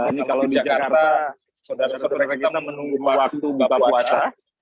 ini kalau di jakarta saudara saudara kita menunggu waktu buka puasa